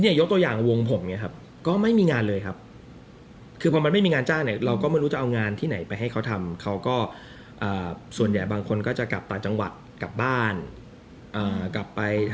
เนี่ยยกตัวอย่างวงผมเนี่ยครับก็ไม่มีงานเลยครับ